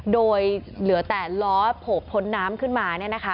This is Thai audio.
โดยเหลือแต่ล้อโผล่พ้นน้ำขึ้นมา